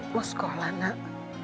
mau sekolah nak